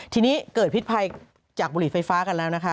ทีนี้เกิดพิษภัยจากบุหรี่ไฟฟ้ากันแล้วนะคะ